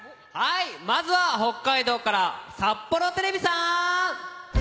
まずは北海道から札幌テレビさん！